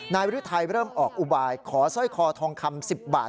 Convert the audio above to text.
นายฤทัยเริ่มออกอุบายขอสร้อยคอทองคำ๑๐บาท